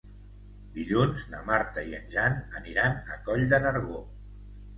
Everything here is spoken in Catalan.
Dilluns na Marta i en Jan aniran a Coll de Nargó.